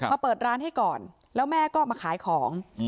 เปิดร้านให้ก่อนแล้วแม่ก็มาขายของ